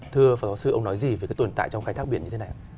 thưa phó giáo sư ông nói gì về cái tồn tại trong khai thác biển như thế này ạ